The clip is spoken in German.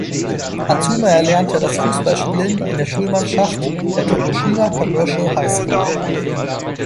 Azuma erlernte das Fußballspielen in der Schulmannschaft der "Tokushima Commercial High School".